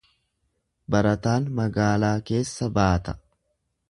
Barataan magaalaa keessa baata.